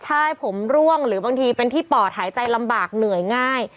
ใช่ผมร่วงหรือบางทีเป็นที่ปอดหายใจลำบากเหนื่อยง่าย